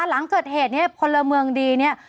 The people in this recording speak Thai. หลังเกิดเหตุเนี่ยพลเมืองดีเนี่ย